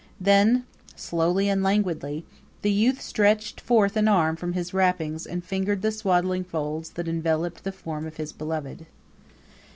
Then, slowly and languidly, the youth stretched forth an arm from his wrappings and fingered the swaddling folds that enveloped the form of his beloved.